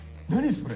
それ。